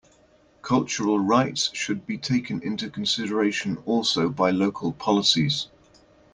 Cultural rights should be taken into consideration also by local policies.